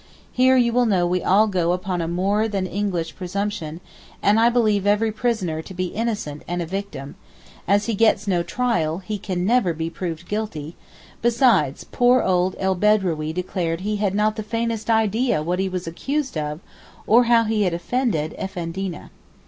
Here you know we all go upon a more than English presumption and believe every prisoner to be innocent and a victim—as he gets no trial he never can be proved guilty—besides poor old El Bedrawee declared he had not the faintest idea what he was accused of or how he had offended Effendina.